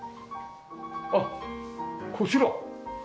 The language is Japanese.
あっこちら。